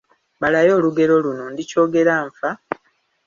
Malayo olugero luno: Ndikyogera nfa, ….